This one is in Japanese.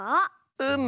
うむ。